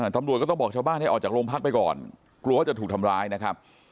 ตำรวจก็ต้องบอกชาวบ้านให้ออกจากโรงพักไปก่อนกลัวว่าจะถูกทำร้ายนะครับ